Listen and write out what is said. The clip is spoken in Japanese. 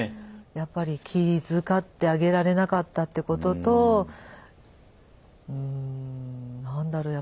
やっぱり気遣ってあげられなかったってこととうん何だろう